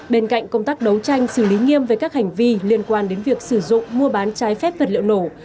bên cạnh công tác đấu tranh xử lý nghiêm về các hành vi liên quan đến việc sử dụng mua bán trái phép vật liệu nổ